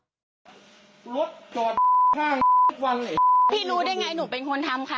พี่รู้ได้ไงหนูเป็นคนทำคะ